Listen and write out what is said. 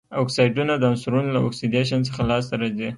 اکسایډونه د عنصرونو له اکسیدیشن څخه لاسته راځي.